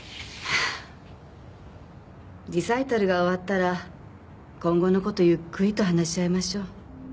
リサイタルが終わったら今後の事ゆっくりと話し合いましょう。